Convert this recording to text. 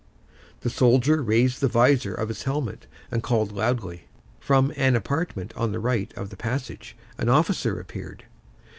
The soldier raised the visor of his helmet, and called loudly. From an apartment at the right of the passage an officer appeared.